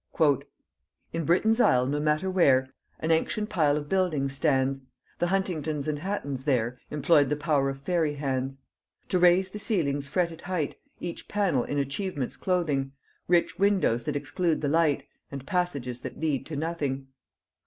"In Britain's isle, no matter where, An ancient pile of building stands; The Huntingdons and Hattons there Employed the power of fairy hands To raise the ceiling's fretted height, Each pannel in achievements clothing, Rich windows that exclude the light, And passages that lead to nothing.